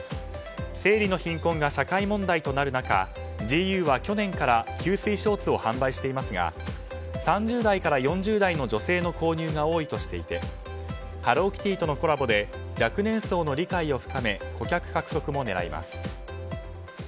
生理の貧困が社会問題となる中ジーユーは去年から吸水ショーツを販売していますが３０代から４０代の女性の購入が多いとしていてハローキティとのコラボで若年層の理解を深め顧客獲得も狙います。